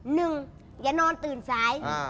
หนึ่งอย่านอนตื่นสาย